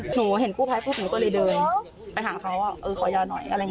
หนูเห็นกู้ไพพูดหนูก็เลยเดินไปหาเขาขอยาหน่อย